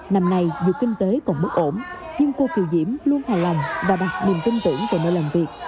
năm nay dù kinh tế còn mức ổn nhưng cô kiều diễm luôn hài lòng và đặt niềm tin tưởng về nơi làm việc